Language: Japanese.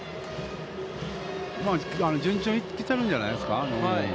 まあ順調に来てるんじゃないですか。